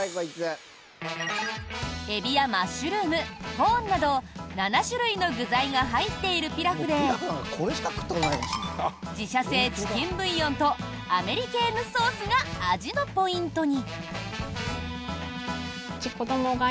エビやマッシュルームコーンなど７種類の具材が入っているピラフで自社製チキンブイヨンとアメリケーヌソースが味のポイントに！